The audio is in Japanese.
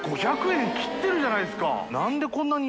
関）５００円切ってるじゃないですか。